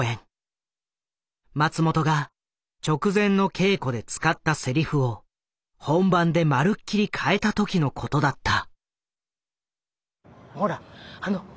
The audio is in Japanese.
松本が直前の稽古で使ったセリフを本番でまるっきり変えた時のことだった。